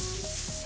え！